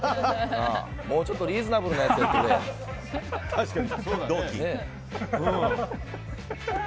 もうちょっとリーズナブルなやつやってくれ！